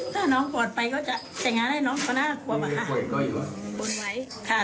ถ้าน้องปวดไปก็จะแต่งงานให้น้องต้นหากลัว